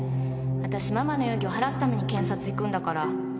私ママの容疑を晴らすために検察行くんだから。